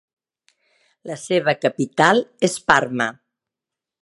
La seva capital és Parma.